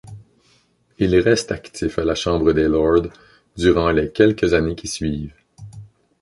Il reste actif à la Chambre des lords durant les quelques années qui suivent.